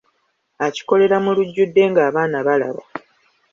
Akikolera mu lujjudde ng'abaana balaba.